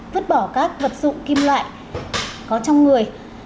vứt bỏ các vật dụng kim loại có trong người